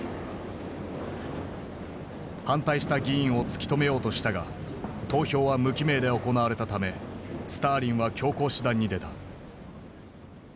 反対した議員を突き止めようとしたが投票は無記名で行われたためスターリンは強硬手段に出た。